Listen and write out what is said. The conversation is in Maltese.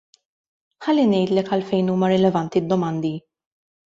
Ħalli ngħidlek għalfejn huma rilevanti d-domandi.